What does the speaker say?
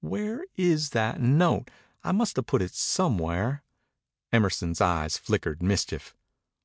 Where is that note? I must have put it somewhere." Emerson's eyes flickered mischief.